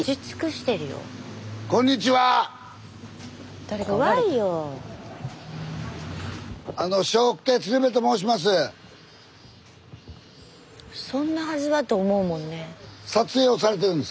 スタジオ「そんなはずは」と思うもんね。